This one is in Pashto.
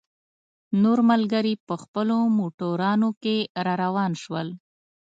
نور ملګري په خپلو موټرانو کې را روان شول.